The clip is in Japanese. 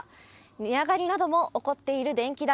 値上がりなども起こっている電気代。